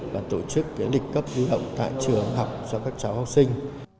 và tổ chức lịch cấp lưu động tại trường học cho các cháu học sinh